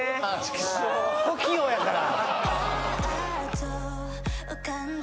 小器用やから。